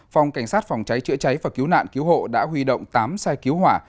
phòng cảnh sát phòng cháy chữa cháy và cứu nạn cứu hộ đã huy động tám xe cứu hỏa